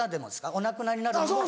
お亡くなりになるのも？